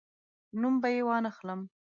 نوم به یې وانخلم.